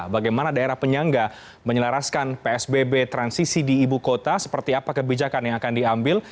bagaimana daerah penyangga menyelaraskan psbb transisi di ibu kota seperti apa kebijakan yang akan diambil